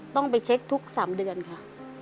ต้องไปเช็คทุก๓เดือนค่ะ